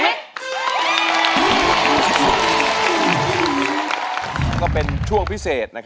ก็เป็นช่วงพิเศษ